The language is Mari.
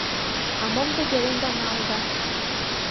— А мом те пеленда налыда?